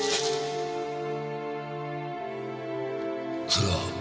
それは？